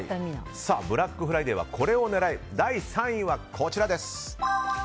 ブラックフライデーはこれを狙え第３位はこちらです。